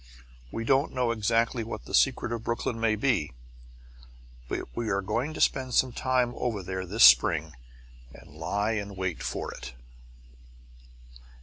We don't know exactly what the secret of Brooklyn may be, but we are going to spend some time over there this spring and lie in wait for it.